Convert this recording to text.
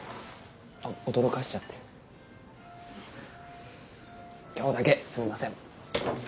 驚かしちゃって今日だけすみません